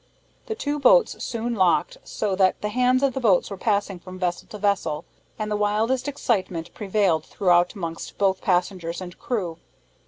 The two boats soon locked, so that the hands of the boats were passing from vessel to vessel, and the wildest excitement prevailed throughout amongst both passengers and crew.